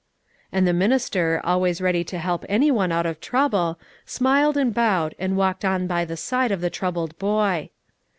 And the minister, always ready to help any one out of trouble, smiled and bowed, and walked on by the side of the troubled boy.